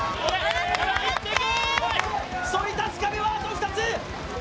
そり立つ壁はあと２つ。